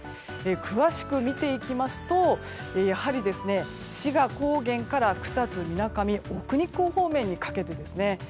詳しく見ていきますとやはり志賀高原から草津、みなかみ、奥日光方面にかけてですね。